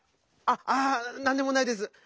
あっあなんでもないです。